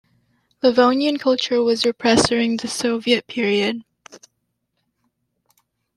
Livonian culture was repressed during the Soviet period.